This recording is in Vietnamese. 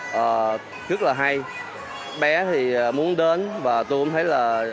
và rất là hay bé thì muốn đến và tôi cũng thấy là